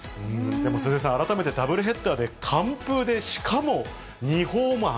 でも鈴江さん、改めてダブルヘッダーで完封で、しかも２ホーマー。